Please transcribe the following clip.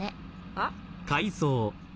あっ？